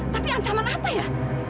tapi ancaman apa ya